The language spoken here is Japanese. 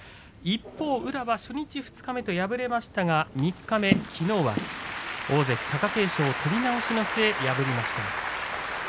一方、宇良は初日、二日と敗れましたが三日目きのうは大関貴景勝を取り直しの末破りました。